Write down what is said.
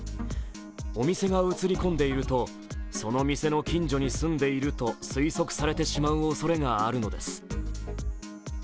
お店が映り込んでいるとその店の近所に住んでいると推測されてしまうおそれがあるのです。